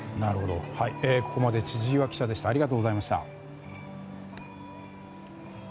ここまで千々岩記者でしたありがとうございました。